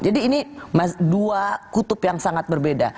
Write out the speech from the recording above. jadi ini dua kutub yang sangat berbeda